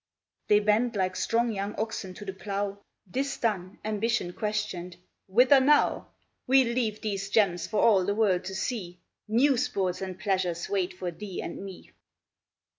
They bent like strong young oxen to the plough, This done, Ambition questioned, 'Whither now? We'll leave these gems for all the world to see! New sports and pleasures wait for thee and me.'